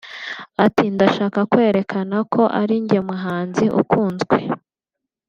Ati “Ndashaka kwerekana ko ari njye muhanzi ukunzwe